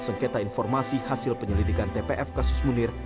sengketa informasi hasil penyelidikan tpf kasus munir